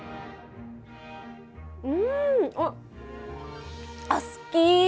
うん、あっ、好き！